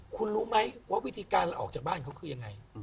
คุณรู้ไหมว่าวิธีการออกจากบ้านเขาคือยังไง